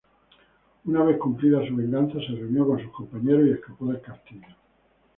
Una vez cumplida su venganza se reunió con sus compañeros y escapó del castillo.